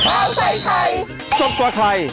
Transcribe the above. เฉาใยไครสบกับใคร